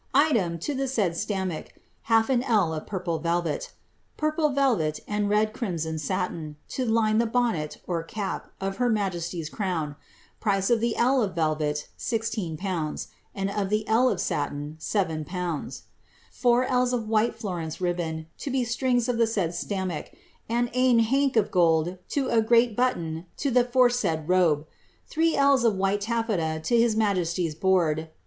Item, to the said stammack, half an ell of purple velvet. Purple velvet, and red crimson satin, to line the bonnet (cap) of her ma jesty^ crown ; price of the ell of velvet, 16/., and of the ell of satin,?/. Four ells of white Florence ribbon, to be strings to the said slammack^ and ane hank of gold to a greit button to the foresaid robe. 3 ells of white tafleta to his majesty's board, viz.